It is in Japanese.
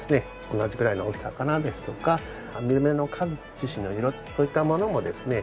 同じくらいの大きさかなですとか網目の数種子の色そういったものもですね